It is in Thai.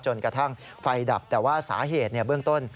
จนกระทั่งไฟดับแต่ว่าสาเหตุเบื้องต้น